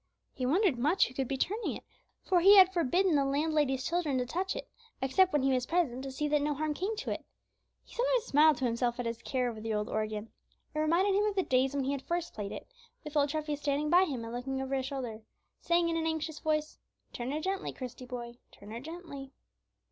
He wondered much who could be turning it, for he had forbidden the landlady's children to touch it, except when he was present to see that no harm came to it. He sometimes smiled to himself at his care over the old organ. It reminded him of the days when he had first played it, with old Treffy standing by him and looking over his shoulder, saying in an anxious voice, "Turn her gently, Christie, boy; turn her gently."